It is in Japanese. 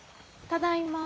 ただいま。